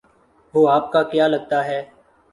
وہ آپ کا کیا لگتا ہے؟